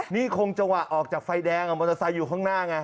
นี่คงจังหวะออกจากไฟแดงมอเตอร์ไซค์อยู่ข้างหน้าไง